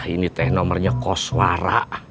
ini teh nomernya koswara